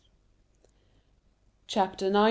Chapter 19.